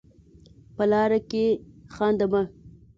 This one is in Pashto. په لاره کې خانده مه.